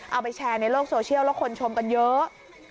เอาไปแชร์ในโลกโซเชียลแล้วคนชมกันเยอะ